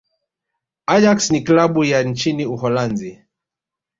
ajax ni klabu ya nchini uholanzi